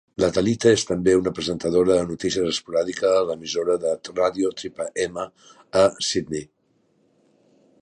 La Talitha és també una presentadora de notícies esporàdica a l'emissora de ràdio Triple M, a Sydney.